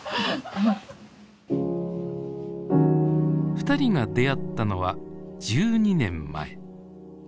ふたりが出会ったのは１２年前。